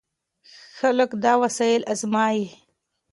خلک دا وسایل ازمويي.